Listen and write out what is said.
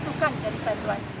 untukkan jari penjualan